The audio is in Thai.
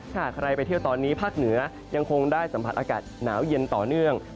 ถ้าใครไปเที่ยวตอนนี้ภาคเหนือยังคงได้สัมผัสอากาศหนาวเย็นต่อเนื่อง